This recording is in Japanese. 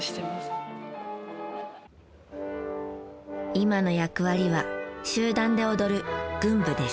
今の役割は集団で踊る群舞です。